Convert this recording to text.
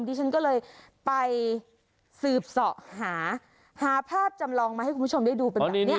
ดิฉันก็เลยไปสืบส่อหาหาภาพจำลองมาให้คุณผู้ชมดู